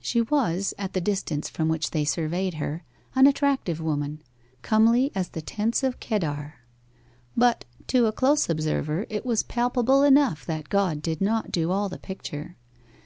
She was, at the distance from which they surveyed her, an attractive woman comely as the tents of Kedar. But to a close observer it was palpable enough that God did not do all the picture.